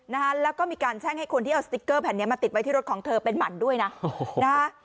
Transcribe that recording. นะฮะแล้วก็มีการแช่งให้คนที่เอาสติ๊กเกอร์แผ่นเนี้ยมาติดไว้ที่รถของเธอเป็นหมั่นด้วยนะโอ้โหนะฮะ